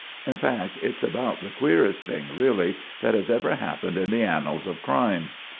In fact, it's about the queerest thing, really, that has ever happened in the annals of crime."